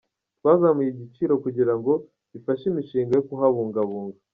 Twazamuye igiciro kugira ngo bifashe imishinga yo kuhabungabunga.